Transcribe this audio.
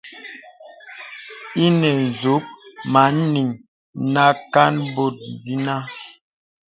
Inə nzūk mə nīŋ nə kān bòt dīnə.